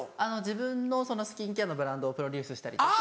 自分のスキンケアのブランドをプロデュースしたりとか。